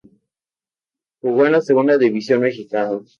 Jugó en la Segunda división mexicana.